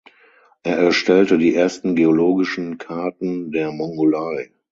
Er erstellte die ersten geologischen Karten der Mongolei.